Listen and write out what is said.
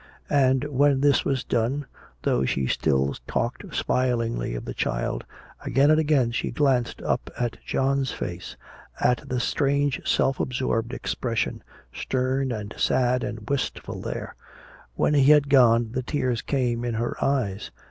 And when this was done, though she still talked smilingly of the child, again and again she glanced up at John's face, at the strange self absorbed expression, stern and sad and wistful, there. When he had gone the tears came in her eyes.